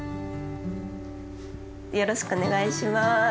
よろしくお願いします。